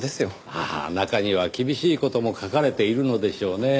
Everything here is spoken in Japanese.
ああ中には厳しい事も書かれているのでしょうねぇ。